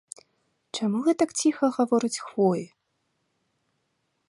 Чаму гэтак ціха гавораць хвоі?